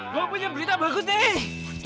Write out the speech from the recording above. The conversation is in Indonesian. gue punya berita bagus nih